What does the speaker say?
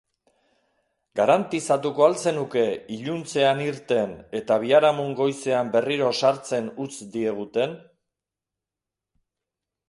Garantizatuko al zenuke iluntzean irten eta biharamun goizean berriro sartzen utz deiguten?